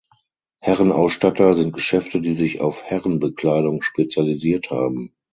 Herrenausstatter sind Geschäfte die sich auf Herrenbekleidung spezialisiert haben.